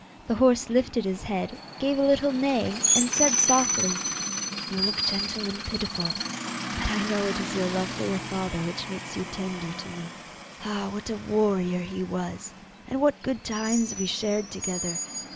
The horse lifted his head, gave a little neigh, and said softly, 'You look gentle and pitiful, but I know it is your love for your father which makes you tender to me. Ah, what a warrior he was, and what good times we shared together!